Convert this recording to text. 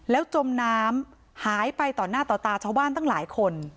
แล้วจมน้ำหายไปต่อหน้าต่อตาชาวบ้านตั้งหลายคน